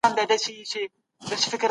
د خلګو د عزت له پايمالولو څخه بايد وويريږو.